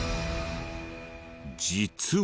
実は。